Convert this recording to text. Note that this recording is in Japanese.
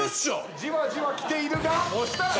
じわじわきているが残念！